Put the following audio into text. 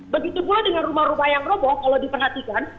begitu pula dengan rumah rumah yang roboh kalau diperhatikan